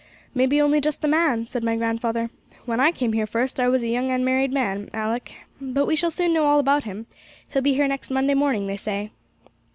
'Maybe only just the man,' said my grandfather. 'When I came here first, I was a young unmarried man, Alick. But we shall soon know all about him; he'll be here next Monday morning, they say.'